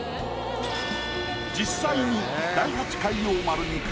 実際に。